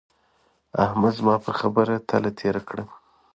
احمد زما پر خبره تله تېره کړه.